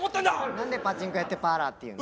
なんでパチンコ屋ってパーラーっていうの？